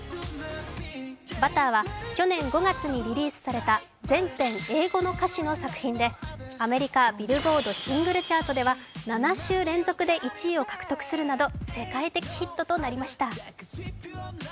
「Ｂｕｔｔｅｒ」は去年５月にリリースされた全編英語の歌詞の作品でアメリカ・ビルボードシングルチャートでは７週連続で１位を獲得するなど、世界的ヒットとなりました。